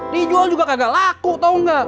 dijual juga kagak laku tau gak